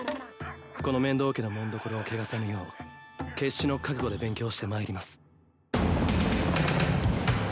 この面堂家の紋所を汚さぬよう決死の覚悟で勉強してまいります。